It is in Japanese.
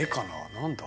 何だ？